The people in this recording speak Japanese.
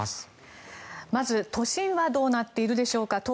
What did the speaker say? まず、都心はどうなっているでしょうか。